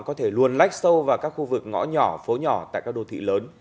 có thể luôn lách sâu vào các khu vực ngõ nhỏ phố nhỏ tại các đô thị lớn